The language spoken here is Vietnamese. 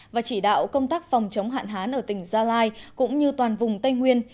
và chỉ đạo công tác phòng chống hạn hán ở tỉnh gia lai cũng như toàn vùng tây nguyên